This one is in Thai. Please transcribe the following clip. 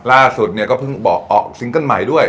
ล่าสุดเนี่ยก็เพิ่งบอกออกซิงเกิ้ลใหม่ด้วย